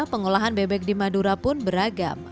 pengolahan bebek di madura pun beragam